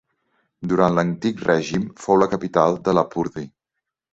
Durant l'Antic Règim fou la capital de Lapurdi.